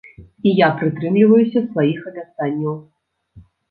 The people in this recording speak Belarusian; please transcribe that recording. І я прытрымліваюся сваіх абяцанняў.